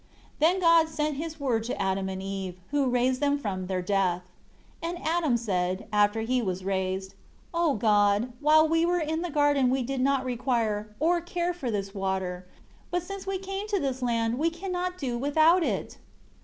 3 Then God sent His Word to Adam and Eve, who raised them from their death. 4 And Adam said, after he was raised, "O God, while we were in the garden we did not require, or care for this water; but since we came to this land we cannot do without it."